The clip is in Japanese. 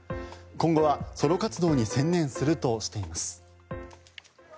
今後はソロ活動に専念するとしています。